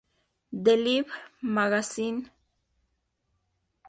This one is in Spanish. D-Lib Magazine, v.